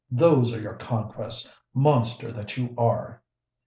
Those are your conquests, monster that you are!"